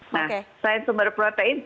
nah selain sumber protein